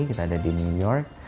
kita ada di new york